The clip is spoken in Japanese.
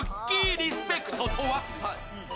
リスペクトとは？